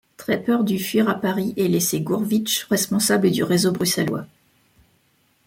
Trepper dut fuir à Paris et laisser Gourevitch responsable du réseau bruxellois.